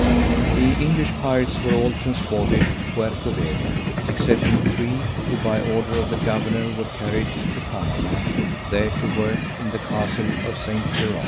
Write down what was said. The English pirates were all transported to Puerto Velo, excepting three, who by order of the governor were carried to Panama, there to work in the castle of St. Jerom.